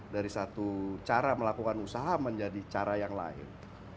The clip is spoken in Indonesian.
dari satu cara melakukan usaha menjadi cara yang lain